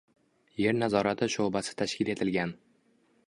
Yer nazorati shoʼbasi tashkil etilgan